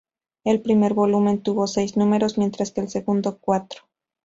El primer volumen tuvo seis números, mientras que el segundo cuatro.